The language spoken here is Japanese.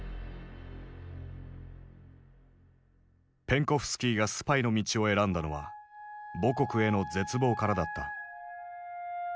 ペンコフスキーがスパイの道を選んだのは母国への絶望からだった。